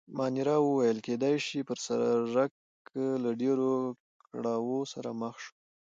مانیرا وویل: کېدای شي، پر سړک له ډېرو کړاوو سره مخ شو.